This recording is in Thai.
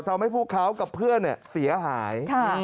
ทำให้พวกเขากับเพื่อนเสียหาย